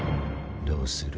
どうする？